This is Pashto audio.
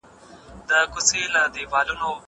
زه بايد درس ولولم!!